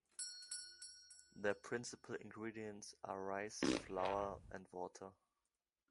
Their principal ingredients are rice flour and water.